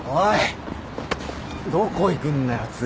どこ行くんだよ